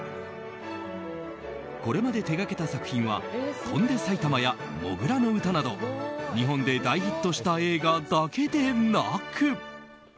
これまで手掛けた作品は「翔んで埼玉」や「土竜の唄」など日本で大ヒットした映画だけでなく。